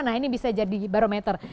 nah ini bisa jadi barometer